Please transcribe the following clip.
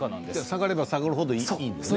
下がれば下がる程いいんですね。